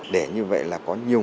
để như vậy là có nhiều nguyên liệu